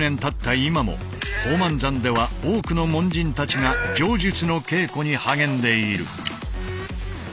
今も宝満山では多くの門人たちが杖術の稽古に励んでいる。